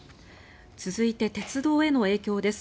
続いて、鉄道への影響です。